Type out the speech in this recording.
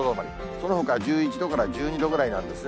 そのほかは１１度から１２度ぐらいなんですね。